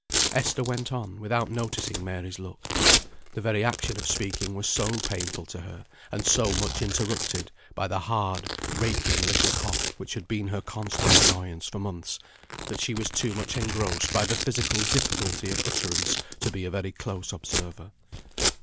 Esther went on, without noticing Mary's look. The very action of speaking was so painful to her, and so much interrupted by the hard, raking little cough, which had been her constant annoyance for months, that she was too much engrossed by the physical difficulty of utterance, to be a very close observer.